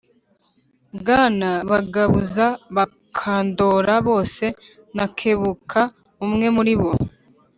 Barwana bagabuza Bakandora bose Nakebuka umwe muri bo